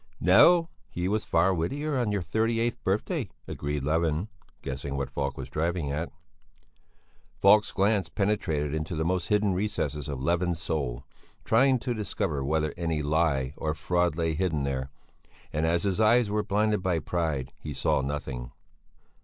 "No, he was far wittier on your thirty eighth birthday," agreed Levin, guessing what Falk was driving at. Falk's glance penetrated into the most hidden recesses of Levin's soul, trying to discover whether any lie or fraud lay hidden there and as his eyes were blinded by pride, he saw nothing.